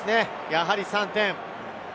やはり３点。